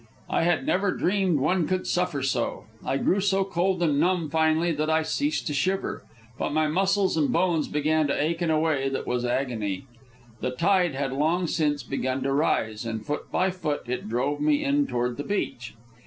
I had never dreamed one could suffer so. I grew so cold and numb, finally, that I ceased to shiver. But my muscles and bones began to ache in a way that was agony. The tide had long since begun to rise, and, foot by foot, it drove me in toward the beach.